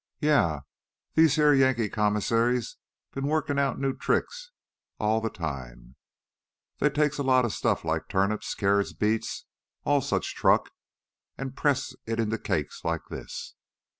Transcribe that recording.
"Yeah. These heah Yankee commissaries bin workin' out new tricks all th' time. They takes a lot of stuff like turnips, carrots, beets, all such truck, an' press it into cakes like this.